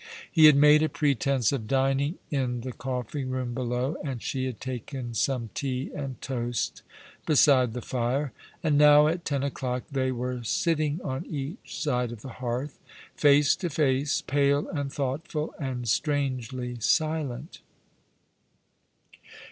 He had made a pretence of dining in the coffee room below, and she had taken some tea and toast beside the fire ; and now at ten o'clock they were sitting on each side of the hearth, face to face, pale and thoughtful, and strangely silent.